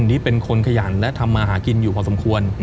อันนี้เป็นคนขยันและทำมาหากินอยู่พอสมควร